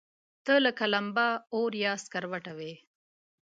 ته لکه لمبه، اور يا سکروټه وې